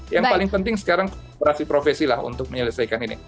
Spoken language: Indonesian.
yang paling penting sekarang operasi profesi lah untuk menyelesaikan ini